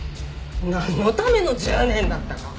なんのための１０年だったか。